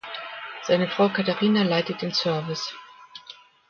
Seine Frau Katharina leitet den Service.